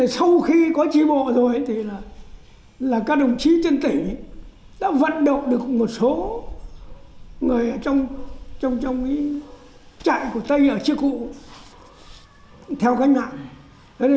sau khi có tri bộ rồi thì là các đồng chí trên tỉnh đã vận động được một số người trong trại của tây ở tri cụ theo cách mạng